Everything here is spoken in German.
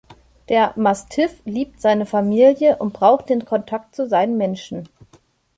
Der Mastiff liebt seine Familie und braucht den Kontakt zu seinen Menschen.